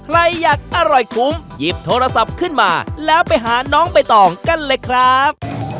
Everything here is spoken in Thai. ใครอยากอร่อยคุ้มหยิบโทรศัพท์ขึ้นมาแล้วไปหาน้องใบตองกันเลยครับ